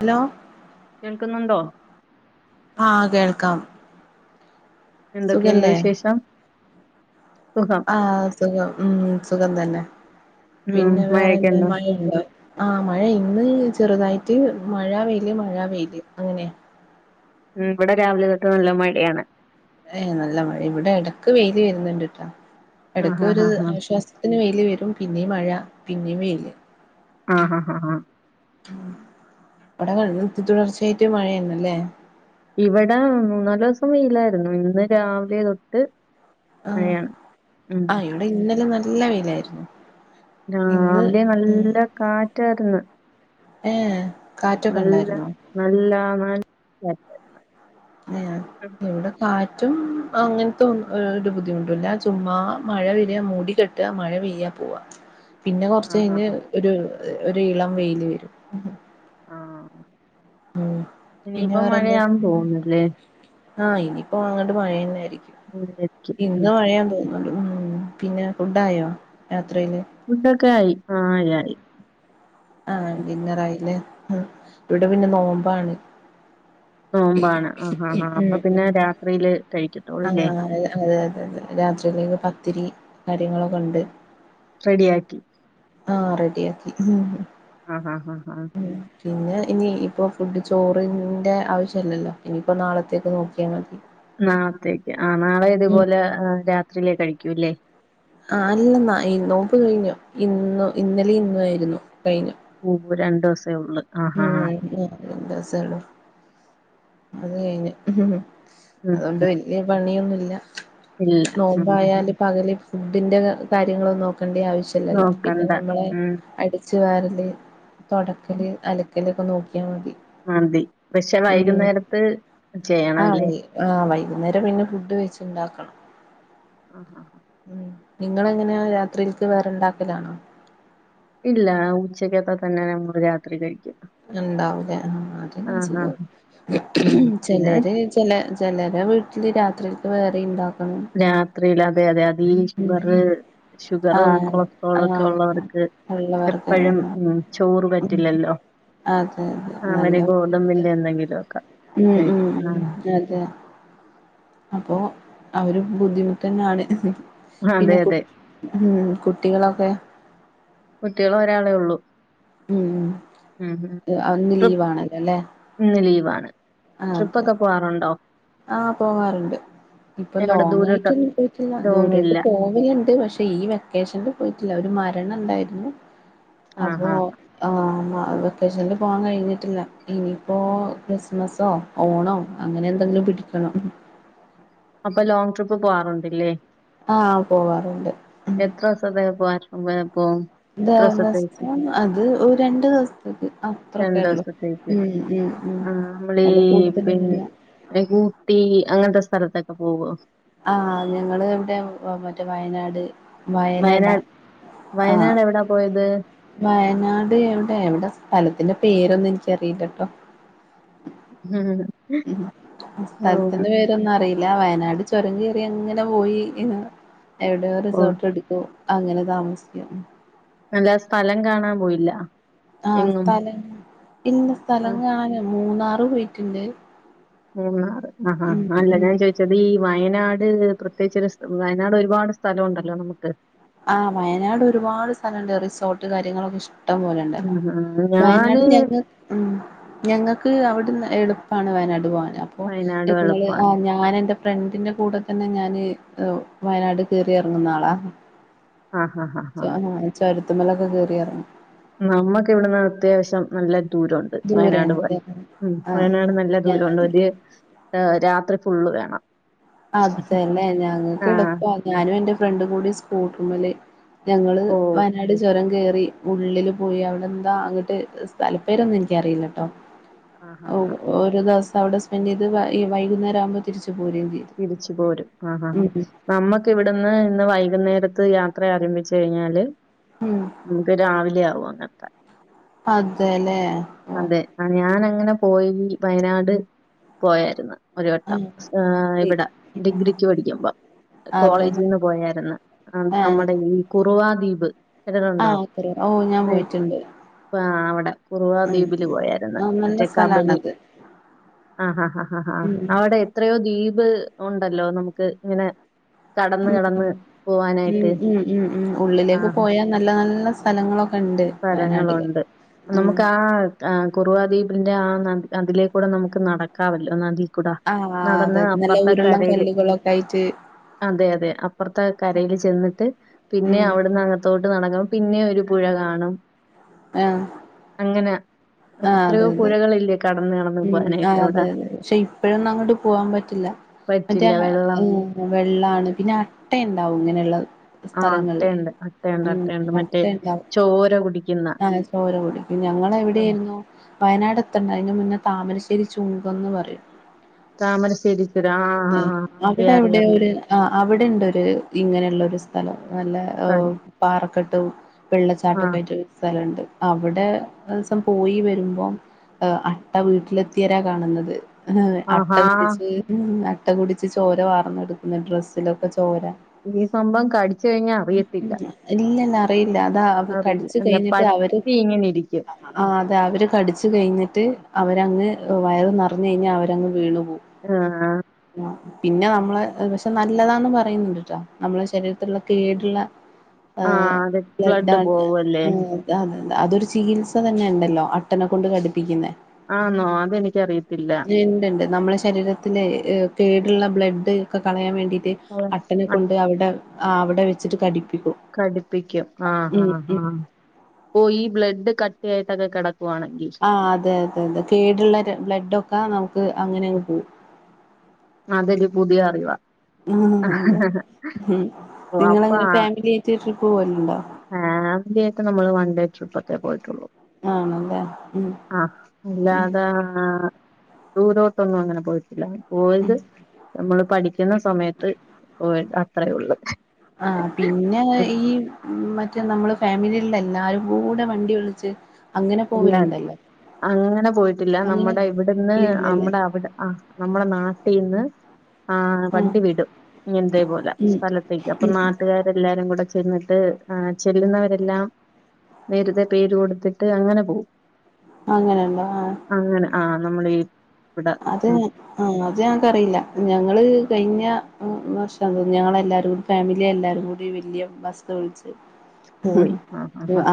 Hello. കേൾക്കുന്നുണ്ടോ? ആഹ് കേൾക്കാം. എന്തൊക്കെയുണ്ട് സുഖല്ലേ വിശേഷം സുഖം. ആഹ് സുഖം ഉം സുഖം തന്നെ. ഉം പിന്നെ മഴയൊക്കെ വേറെന്ത ഉണ്ടോ മഴയുണ്ടോ? ആഹ് മഴ ഇന്ന് ചെറുതായിട്ട് മഴ വെയില് മഴ വെയില് അങ്ങനെയ. ഉം ഇവിടെ രാവിലെ തൊട്ട് നല്ല മഴയാണ്. ഏഹ് നല്ല മഴ ഇവിടെ എടക്ക് വെയില് വരുന്നുണ്ട്ട്ടാ എടക്ക് ആഹ് ആഹ് ഒരു ആഹ് ആശ്വാസ ത്തിന് വെയില് വരും പിന്നെയും മഴ പിന്നെയും വെയില്. ആഹ് ഹാ ആഹ്. അവിടെ [unintelligible] തുടർച്ചയിട്ട് മഴയണ്ല്ലേ. ഇവിടെ മൂന്നാലോസം വെയിലായിരുന്നു ഇന്ന് രാവിലെ തൊട്ട് ആഹ് മഴയാണ് ഉം ആ ഇവിടെ ഇന്നലെ നല്ല വെയിലായിരുന്നു. ആഹ് ഇന്ന് രാവിലേ ഉം നല്ല കാറ്റായിര്ന്ന്. ഏഹ്. കാറ്റൊക്കെ നല്ല ഉണ്ടായിരുന്നോ നല്ലാ മ [unintelligible] ഇവിടെ കാറ്റും അങ്ങനതേ ഒരു ബുദ്ധിമുട്ടുമില്ല ചുമ്മാ മഴ വെര മൂടി കെട്ട് ട്ടാ മഴ പെയ്യാ പോവാ. പിന്നെ കൊറച്ച് ആഹ് കഴിഞ്ഞ് ആഹ് ഒരു ഒരു ഇളം വെയില് വരും. ആഹ്. അഹ് പിന്നെ ഇനിയിപ്പ വേറെ എന്താ? മഴയാന്ന് തോന്നുന്നില്ലേ ആഹ് ഇനിയിപ്പോ അങ്ങോട്ട് മഴയെന്നായിരിക്കും. മഴയായിരിക്കും ഉം ഇന്ന് മഴയുണ്ട് പിന്നെ ഫുഡായൊ യാത്രയില്. ഫുഡ്ഡൊക്കെ ആയി ആഹ് എല്ലാ ആയി. ആഹ് ഉം. ഡിന്നറായില്ലേ ആഹ് ഇവിടെ പിന്നെ നോമ്പാണ്. നോമ്പാണ് ആഹ് ആഹ് ഉം അപ്പൊ ഉം പിന്നെ രാത്രിയില് ആഹ് കഴിക്കത്തോളൂല്ലേ അതെ അതെ രാത്രിയിലേക്ക് പത്തിരി കാര്യങ്ങളൊക്കെ ഉണ്ട് റെഡിയാക്കി ആഹ് റെഡിയാക്കി മം ആഹ് ആഹ് ആഹ് ആഹ പിന്നെ ഇനി ഇപ്പോൾ ഫുഡ് ചോറിൻ്റെ ആവശ്യല്ലല്ലോ ഇനിയിപ്പോൾ നാളത്തേക്ക് നോക്കിയാൽ മതി നാളത്തേക്ക് ആ നാളെ ഇതുപോലെ രാത്രിയിലേ കഴികൂല്ലേ ആ അല്ലെന്നാ നോബ് കഴിഞ്ഞു ഇന്ന് ഇന്നലെ ഇന്നും ആയിരുന്നു കഴിഞ്ഞു രണ്ടു ദിവസേ ഉള്ളു [unintelligible] ആഹ് ആഹ് രണ്ട്സെ ഉള്ളു അത് കഴിഞ്ഞു ഉം ഉം. അതുകൊണ്ട് വലിയ പണിയൊന്നുമില്ല ഇല്ല ഉം ഉം, ഉം. നോമ്പായാലും പകല് ഫുഡിൻന്റെ കാര്യങ്ങളന്നും നോക്കേണ്ടി ആവശ്യല്ലല്ലോ പിന്നെ നോക്കണ്ട നമ്മളെ ഉം അ അടിച്ചുവാരല് തുടക്കല് അലക്കല് ഒക്കെ നോക്കിയാൽ മതി മതി പക്ഷെ ഉം വൈകുന്നേരത്ത് ആ ചെയ്യണംല്ലേ വൈ ആ വൈകുന്നേരം പിന്നെ ഫുഡ് വെച്ച്ണ്ടാക്കണം ആഹ് ആ ആ ഉ നിങ്ങള എങ്ങനെ രാത്രിക്ക് വേറെ ഉണ്ടാക്കലാണോ ഇല്ല ഉച്ചക്കത്ത് തന്നെ നമ്മള് രാത്രി കഴിക്കും ഉണ്ടാവില്ല ആഹ് ആഹ് ഉം [unintelligible] പിന്നെ ചെലര് ചിലരെ വീട്ടില് രാത്രിക്ക് വേറെ ഉണ്ടാക്കണം രാത്രിൽ അതെ അതെ അതെ അ ഷുഗറ് ഷുഗറും ആഹ് കൊളസ്ട്രോള ഒക്കെ ആഹ് ഉള്ളവർക്ക് ഉള്ള വെറക് എപ്പോഴും ആഹ് ഉ ചോറ് ഉം പറ്റില്ലല്ലോ അതെ അതെ നല്ല അവന് ബുദ്ധിമുട്ട ഗോതമ്പിന്റെ എന്തെങ്കിലുമൊക്കെ ഉം കഴിക്കും ആഹ് ഉം അതെ അപ്പോ അവര് ബുദ്ധിമുട്ട്ന്നെയാണ് അതെ പിന്നെ അതെ ഉം കുട്ടികളൊക്കെ കുട്ടികള് ഒരാളെ ഉള്ളൂ ഉം ഉം ഉം അതും ട്രിപ്പ് ലീവ് ആണല്ലോ അല്ലേ ഇന്ന് ലീവാണ് ട്രിപ്പൊക്കെ പോകറുണ്ടോ ആ പോകാറുണ്ട് ഇപ്പൊ എവിടെ ലോങ് ദൂരോട്ട് ആയിട്ടൊന്നും പോയിട്ടില്ല ദൂരൊക്ക ലോങ്ങില്ല പോകും ഇണ്ട് പക്ഷെ ഈ വെക്കേഷനിൽ പോയിട്ടില്ല ഒരു മരണം ഉണ്ടായിരുന്നു അപ്പോ ആഹ് ആഹ് ആ വെക്കേഷനിൽ പോവാൻ കഴിഞ്ഞിട്ടില്ല ഇനിയിപ്പോ ഉം ക്രിസ്മസോ ഓണോ അങ്ങനെ എന്തെങ്കിലും പിടിക്കണം അപ്പൊ ലോങ് ട്രിപ്പ് പോവാറുണ്ട് ല്ലേ ആഹ് പോവാറുണ്ട് എത്ര ദിവസതിന് പോ [unintelligible] പോവും എത്ര ദിവസത്തേക്ക് ദവസം അത് ഒരു രണ്ടു ദിവസത്തേക്ക് രണ്ട് അത്രക്കെ ഉള്ളു ദിവസത്തേക്ക് ഉം ഉം ഉ ആഹ് നമ്മളീ അതില് പിന്നെ കൂടുതലന്നുല്ല ഊട്ടി അങ്ങനത്തെ സ്ഥലത്തൊക്കെ പോവോ ആഹ് ഞങ്ങള് ഇവിടെ മറ്റേ വയനാട് വയലട വയനാട് ആഹ് വയനാട് എവിടാ പോയത് വയനാട് എവിടെ എവിടെ സ്ഥലത്തിന്റെ പേരൊന്നും എനിക്കറിയില്ലട്ടോ ഉം ഉം ഉം സ്ഥലത്തിന്റെ പേര് എവിടന്നും അറിയില്ല വയനാട് ചുരം കയറി അങ്ങനെ പോയി എവിടെയോ ഓ റിസോർട്ട് എടു അ അങ്ങനെ താമസിക്കാം നല്ല സ്ഥലം കാണാൻ പോയില്ല ആഹ് എങ്ങും സ്ഥലം ഇന്ന ആ സ്ഥലം കാണാന് മൂന്നാറ് പോയിട്ടുണ്ട് ഉം [unintelligible] അല്ല ഉം ഞാൻ ചോ ച്ചത് ഈ വയനാട് പ്രത്യേകിച്ച് ഒരു വയനാട് ഒരുപാട് സ്ഥലംണ്ടല്ലോ നമുക്ക് ആഹ് വയനാട് ഒരുപാട് സ്ഥലണ്ട് റിസോർട്ട് കാര്യങ്ങളൊക്കെ ഇഷ് ട്ടം പോലെണ്ടല്ലോ ആഹാ വയനാട് ഞാന് ഞങ്ങ ഉം ഞങ്ങക്ക് അവിടുന്ന് എളുപ്പാണ് വയനാട് പോവാന് അപ്പൊ വയനാട് ഞങ്ങള് ആ വെളുപ്പാണ് ഞാ ഞാൻ എന്റെ ഫ്രണ്ടിന്റെ കൂടെ തന്നെ ഞാന് വയനാട് കേറി ഇറങ്ങുന്ന ആളാ ആഹ് [unintelligible] ചൊരത്തുമലൊക്കെ കേറി എറങ്ങും നമ്മക്ക് ഇവിട്ന്ന് അത്യാവശ്യം നല്ല ദൂരം ണ്ട് വയനാട് പോവാൻ ദൂരെണ്ട് ഉം ആഹ് വയനാട് നല്ല ദൂരംണ്ട് വലിയ രാ രാത്രി ഫുള്ള് വേണം അതന്നേ ഞങ്ങക്ക് ആഹ് എളുപ്പ ഞാനും എൻ്റെ ഫ്രണ്ടും കൂടി സ്കൂട്ടർമല് ഞങ്ങള് ഓ വയനാട് ചൊരം കേറി ഉള്ളില് പോയി അവിടെ എന്താ അങ്ങട്ട് സ്ഥലപ്പേരൊന്നും എനിക്കറിയില്ലട്ടോ ആഹാ അൗ ഹാ ഒരു ദിവസം അവ്ടെ സ്പെൻ്റ് ചെയ്ത് ഈ വൈകുന്നേര ആവുമ്പോ തിരിച്ച് പോര ചെയ്യ തിരിച്ചു പോരും ആഹ് ആഹ് നമ്മക്ക് ഇവിടന്ന് ഇന്ന് വൈകുന്നേരത്ത് യാത്ര ആരംഭിച്ചു കഴിഞ്ഞാല് ഉം നമുക്ക് രാവിലെ ആവും അങ്ങനെ അതെ ല്ലേ അതെ ആഹ് ഞാന അങ്ങനെ പോയി വയനാട് പോയായിരുന്നു ഒരു വട്ടം ആഹ് ഇവിടെ ഡിഗ്രിക്ക് പഠിക്കുമ്പം അതെല്ലേ കോളേജിൽന്ന് പോയായിരുന്നു ആഹ് നമ്മുടെ ഈ കുറുവാ ദ്വീപ് കേട്ടിട്ടുണ്ടോ ആഹ് കുറുവ ഓഹ് ഞാൻ പോയിട്ടുണ്ട് ആ അവടെ മുഹ ഉം ദ്വീപിൽ പോയായിരുന്നു ആഹ് നല്ല മറ്റേക്കബനി സ്ഥലാണത് ആഹ് ഹാ ഹാ ഹാ ഉം അവടെ എത്രയോ ദ്വീപ് ഉണ്ടല്ലോ നമുക്ക് ഇങ്ങനെ. കടന്ന് ഉം കടന്ന് ഉം പോവാനായിട്ട് ഉം ഉം ഉം ആ ഉള്ളിലേക്ക് പോയാ നല്ല നല്ല സ്ഥലങ്ങളൊ സ്ഥലങ്ങളുണ്ട് നമുക്ക് ആഹ് ആ കുറുവാദ്വീപിന്റെ ആ നദി അതിലേക്കൂടെ നമുക്ക് നടക്കാമല്ലോ നദി ക്കുടാ ആഹ് അതെ നടന്ന് നല്ല അപ്പർത്തെ ഉരുളൻ കരയില് കല്ലുകളൊക്കെ ആയിട്ട് അതെ അതെ അപ്പർത്തെ കരയ്‌ല് ചെന്നിട്ട് പിന്നെ ഉം അവിടുന്ന് അങ്ങ ത്തോട്ട് നടക്കണം പിന്നെ ഒരു പുഴ കാണും ആഹ് അങ്ങനെ ആഹ് അതെ എത്രയോ അതെ പുഴകളില്ലേ കടന്ന് കടന്ന് ഉം പോവാനായിട്ട് ആഹ് അതെ അവിടെ. അതെ പക്ഷെ ഇപ്പഴൊന്നും അങ്ങോട്ട് പോവാൻ പറ്റില്ല മറ്റേ പറ്റില്ല വെള്ളം വെള്ളാണ് പിന്നെ അട്ടയ ഉണ്ടാവും ഇങ്ങനെയുള്ള ആഹ് സ്ഥലങ്ങളിലേ അട്ടയുണ്ട് അട്ടയുണ്ട് ഉം അട്ടയുണ്ട് മറ്റേ അട്ട ഉണ്ടാവും ചോര കുടിക്കുന്ന ആഹ് ചോര കുടിക്കും ഞങ്ങള് ഉം. എവിടെയിരുന്നു വയനാട് എത്തണ്ട അതിന് മുന്നേ താമരശ്ശേരി ചൂങ്കംന്ന് പറയും താമരശ്ശേരി ചുരം ആഹ് അറിയാം അറിയാം അറിയാം ആഹ് അവിടെണ്ടൊരു ഇങ്ങനെയുള്ള ഒരു സ്ഥലം നല്ല ഏഹ് സാരി പാറക്കട്ടും വെള്ളച്ചാട്ടൊക്കെ ആഹ് ആയിട്ട് ഒരു സ്ഥലണ്ട് അവിടെ ദിവസം പോയി വരുമ്പോം ഏഹ് അട്ട വീട്ടിലെത്തിയാരാ കാണുന്നത് അട്ട ആഹാ കുടിച്ച് അട്ട കുടിച്ച് ചോര വാർന്നെടുക്കുന്ന ഡ്രസ്സിലൊക്കെ ചോര ഈ സംഭവം കടിച്ച് കഴിഞ്ഞാൽ അറിയത്തില്ല ഇല്ലല്ല അറിയില്ല അതാ അവ അറിയില്ല കടിച്ചു അല്ല കഴിഞ്ഞിട്ട് അവര് പറ്റി ഇങ്ങനെ ഇരിക്കും അതെ അവര് കടിച്ചു കഴിഞ്ഞിട്ട് അവരങ്ങ് വയറ് നറഞ്ഞഴിഞ്ഞാ അവരങ്ങ് വീണു പോം ആഹ് ആഹ് പിന്നെ നമ്മള് ആഹ് പക്ഷെ നല്ലതാന്ന് പറയുന്നുണ്ട്ട്ട നമ്മളെ ശരീരത്തുള്ള കേട്ള്ള ആഹ് അത് ബ്ലഡ് ബ്ലഡാണ് പോവല്ലേ ആഹ് അതെ [unintelligible] അതൊരു ചികിത്സ തന്നെ ഉണ്ടല്ലോ അട്ടന്നെ കൊണ്ട് കടിപ്പിക്കുന്നെ ആന്നോ അതെനിക്കറിയത്തില്ല. ഇണ്ട്ണ്ട് നമ്മളെ ശരീര ത്തിലെ കേടുള്ള ബ്ലെഡ് ഒക്കെ കളയാൻ വേണ്ടിട്ട് അട്ടനെ ആ, കൊണ്ട് അവിടെ ആഹ് അവിടെ വെച്ചിട്ട് കടിപ്പിക്കും. കടിപ്പിക്കും ആഹ് ഉം ആഹ് ഉം ആഹ് ഓഹ് ഈ ബ്ലഡ് കട്ടിയായിട്ടൊക്കെ കെട്ക്കുവാണെങ്കി. ആഹ് അതെ അതെ അതെ കേട്ള്ള രെ ബ്ലഡൊക്കെ നമുക്ക് അങ്ങനെങ്ങ് പോം അതൊരു പുതിയ അറിവാ. ആഹ് അതെ ഉം ഓ നിങ്ങളെങ്ങനെ ഫാമിലിയറ്റ് ട്രിപ്പ് പോലുണ്ടോ? ഫാമിലിയട്ട് നമ്മള് വൺഡേ ട്രിപ്പൊക്കെ പോയിട്ടൊള്ളൂ. ആണല്ലേ ഉം. ആഹ് അല്ലാതെ ദൂരോട്ടൊന്നു അങ്ങനെ പോയിട്ടില്ല. പോയത് നമ്മള് പഠിക്കുന്ന സമയത്ത് പോയത അത്രേഉള്ളൂ. ആഹ് പിന്നങ്ങ് ഈ മറ്റേ നമ്മൾ ഫാമിലിയിള്ള എല്ലാരു കൂടെ വണ്ടി വിളിച്ച് അങ്ങനെ ഇല്ല പോവലുണ്ടല്ലോ അങ്ങന പോയിട്ടില്ല അങ്ങനെ നമ്മുടെ ഇവിടുന്ന് ഇല്ലല്ലേ അമ്മടെ അവിടെ ആഹ് നമ്മള നാട്ടീന്ന് ആഹ് വണ്ടി വിടും ഇങ്ങൻതേപോലെ ഉം സ്ഥലത്തേക്ക് അപ്പൊ ഉം നാട്ടുകാരെല്ലാരും കൂടെ ചേന്ന് ട്ട് ആഹ് ചെല്ലുന്നവരെല്ലാം നേര്തെ പേര് കൊടുത്തിട്ട് അങ്ങനെ പോം അങ്ങനെണ്ട ആഹ് അങ്ങനെ ആഹ് നമ്മളീ ഇവിടെ അതെ ഉം ആഹ് അത് ഞങ്ങക്കറിയില്ല ഞങ്ങള് കഴിഞ്ഞ വർഷ തോന്ന്ന്നു ഞങ്ങളെല്ലാരു ഫാമിലിയെല്ലാരും കൂടി വെല്ല്യ ബസ് വിള്ച്ച്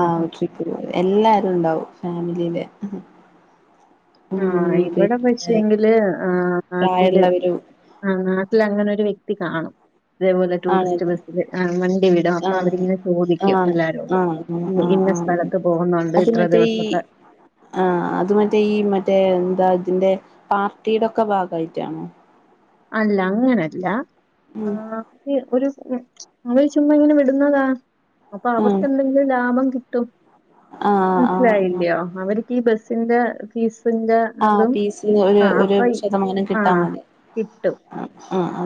ആഹ് ഓക്കെ ഒരു എല്ലാരുണ്ടാവും ഫാമിലീലെ. ആഹ് ഇവിടെ പിന്നെ പക്ഷേങ്കില് ആഹ് നാട്ടില് പ്രായമുള്ളവരും ആഹ് നാട്ടിലങ്ങനൊരു വ്യക്തി കാണും. ഇതേപോലെ ആണ് ടൂറിസ്റ്റ് ബസ്സില് ആഹ് വണ്ടി വിടും അപ്പ ആഹ് അവരിങ്ങെനെ ആഹ് ചോദിക്കും ആഹ് എല്ലാരോടും. ആഹ് ഉം ആഹ് ഇന ആഹ് സ്ഥലത്ത് പോകുന്നുണ്ട് അത് ഇത്ര മറ്റേ ഈ ദിവസത്തെ ആഹ് അത് മറ്റേ ഈ മറ്റേ എന്താ ഇതിന്റെ പാർട്ടീടൊക്കെ ഭാഗായിറ്റാണോ? അല്ല അങ്ങനല്ല ഉം ആഹ് അത് ഒരു ഉം അവര് ചുമ്മാഇങ്ങനെ വിടുന്നതാ. അപ്പ ഉം അവർക്കെന്തെങ്കിലും ലാഭം കിട്ടും ആഹ് ആഹ് ആഹ് മനസിലായില്യോ? അവര്ക്കി ബസ്സിന്റെ ഫീസിന്റെ ആഹ് അതും പീസ്ന് ഒരു ആഹ് ഒരു അപ്പൊ ശതമാനം കിട്ടാ വാണ്ടി. കിട്ടും.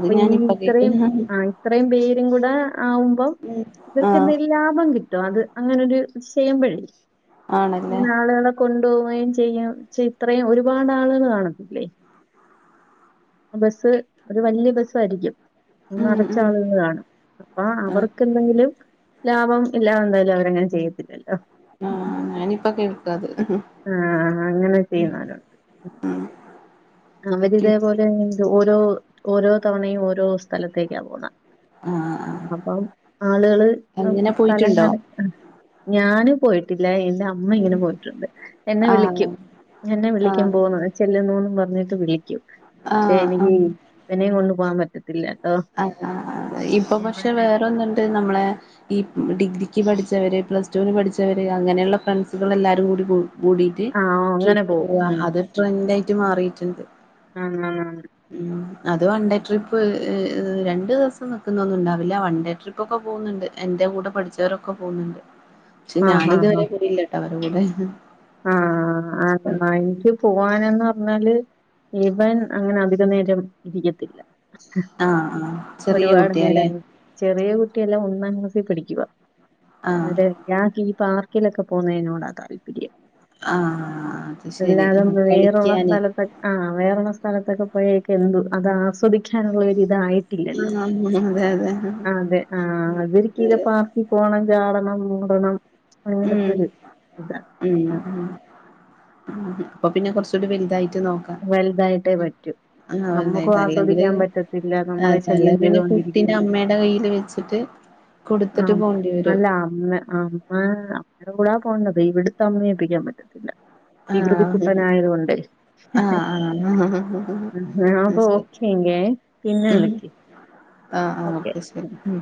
അപ്പ ഇന്നിം ഇത്രേം കേക്കുന്ന ആഹ് ഇത്രേം പേരു കൂടെ ആവുമ്പം ഉം ആഹ് ഇവർക്കെന്തെൽ ലാഭം കിട്ടും അത് അങ്ങനൊരു ചെയ്യമ്പഴേ ആണല്ലേ ഇങ്ങനെ ആള്കളെ കൊണ്ടോവുകയും ചെയ്യാം ചെഇത്രേം ഒരുപാട് ആളുകൾ കാണത്തില്ലേ. അ ബസ് ഒരു വല്ല്യ ബസ്സാരിക്കും ഉം ഉം നറച്ചാളുകൾ കാണും അപ്പ ആഹ് അവർക്ക് എന്തെങ്കിലും ലാഭം ഇല്ലാതെന്തായാലവരങ്ങനെ ചെയ്യത്തില്ലല്ലോ. ആഹ് ആഹ് ഞാനിപ്പ കേൾക്കാത് ആഹ് ആഹ് അങ്ങനെ ചെയ്യുന്നോര ആഹ് അവരിതേപോലെ ഓരോ ഓരോ തവണയും ഓരോ സ്ഥലത്തേക്കാ പോണെ. ആഹ് അപ്പം ആളുകള് അം അങ്ങനെ പോയിട്ടുണ്ടോ സ്ഥലകാണി ഞാന് പോയിട്ടില്ല എന്റെ അ മ്മ ഇങ്ങനെ പോയിട്ടുണ്ട്. എന്നെ ആഹ് വിളിക്കും എന്നെ വിളിക്കും ആഹ് പോന്നോ ചെല്ലുന്നോന്ന് പറഞ്ഞിട്ട് വിളി ക്കും പക്ഷെ ആഹ് എനിക്ക് ആഹ് ഇവനേം കൊണ്ടു പോവാൻ പറ്റത്തില്ല. ട്ടോ ആഹ് ആഹ് ഇപ്പൊ പക്ഷെ വേറൊന്ന്ണ്ട് നമ്മളെ ഈ ഡിഗ്രിക്ക് പഠിച്ചവര് പ്ലസ് ടുവിന് പഠിച്ചവര് അങ്ങനെയുള്ള ഫ്രണ്ട്സുകള് എല്ലാരുകൂടി കൂടി ട്ട് ആഹ് ഓ അങ്ങനെ പോവും ട്രിപ്പോവ ഉം അതൊരു ട്രെൻ്റായിട്ട് മാറീട്ട്ണ്ട്. ആന്നേ ഉം അത് വൺഡേ ട്രിപ്പ് ഏഹ് രണ്ട് ദിവസം നിക്ക്ന്നൊന്നുവുണ്ടാവില്ല വൺ ഡേ ട്രിപ്പൊക്കെ പോവുന്ന്ണ്ട് എൻ്റെ കൂടെ പഠിച്ചവരൊക്കെ പോവുന്ന്ണ്ട് പക്ഷെ ആഹ് ആഹ് ഞാനിതുവരെ ആഹ് കൂടിയില്ലട്ടോ അവരെ കൂടെ ആഹ് ആഹ് എന്ന എനിക്ക് പോവാനന്ന് പറഞ്ഞാല് ഇവൻ അങ്ങനെ അധികനേരം ഇരിക്കത്തില്ല ആഹ് ആഹ് ചെറിയ ഒരുപാട് കുട്ടിയാല്ലേ നേരൊന്നും ചെറിയ കുട്ടിയല്ല ഒന്നാം ക്ലാസ്സില് പഠിക്കുവാ ആഹ് [unintelligible] ഞാക്ക് ഈ പാർക്കിലൊക്കെ പോന്നേനോടാ താല്പര്യം ആഹ് അത് ശരി അല്ലാതെ ആ വേറുള്ള കളിക്കാന് സ്ഥലത്തൊ ആഹ് വേറുള്ള സ്ഥലത്തൊക്കെ പോയേക്കെ എന്തോ അത് ആസ്വദിക്കാനുള്ളരിതായി ട്ടില്ലല്ലോ ആഹ് അതെ അതെ അതെ ആഹ് അതൊരിക്കലെ പാർ ക്കി പോണം ചാടണം ഓടണം അങ്ങനത്തൊരു ഇതാണ് ഉം ഉം ഉം അപ്പൊപ്പിന്നെ കൊറച്ചൂടി വലുതായിട്ട് നോക്കാ വലുതായിട്ടേ പറ്റൂ വലുതായിട്ട് നമ്മക്കും അല്ലെങ്കില് ആസ്വദിക്കാൻ പറ്റത്തില്ല നമ്മളെ അതല്ല ശല്യം പിന്നെ കുട്ടീനെ ചെയ്തുകൊണ്ടിരിക്കും അമ്മയുടെ കയ്യില് വെച്ചിട്ട് കൊടുത്തിട്ട് ആഹ് പോണ്ടി വരും അല്ല അമ്മ അമ്മേ അമ്മടെ കൂടാ പോന്നത് ഇവിടുത്തെ അമ്മയേപ്പിക്കാൻ പറ്റത്തില്ല വികൃതി ആഹ് ക്കുട്ടനായതുകൊണ്ടെ ആഹ് ആഹ് ഉം അപ്പൊ അയ്ശരി ഓക്കെ എങ്കേ പിന്നെ ഉം വിളിക്ക് ആഹ് ആഹ് ഓക്കെ ശരി ഉം